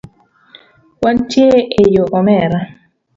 Wantie eyo omera.